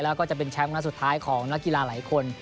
แล้วก็จะเป็นแชมป์นัดสุดท้ายของนักกีฬาหลายคน